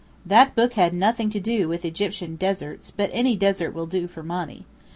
That book had nothing to do with Egyptian deserts; but any desert will do for Monny.